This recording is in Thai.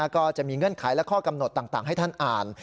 ก็มีเงื่อนไขและข้อกำหนดต่างให้ท่านอ่าน